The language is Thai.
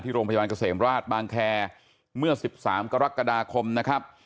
โรงพยาบาลเกษมราชบางแคร์เมื่อ๑๓กรกฎาคมนะครับ